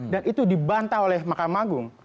dan itu dibantah oleh makam agung